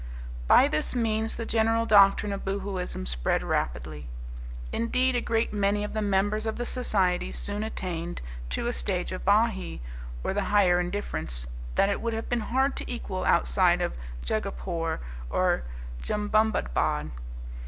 By this means the general doctrine of Boohooism spread rapidly. Indeed, a great many of the members of the society soon attained to a stage of Bahee, or the Higher Indifference, that it would have been hard to equal outside of Juggapore or Jumbumbabad.